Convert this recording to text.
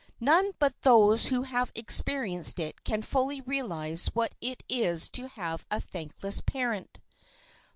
None but those who have experienced it can fully realize what it is to have a thankless parent.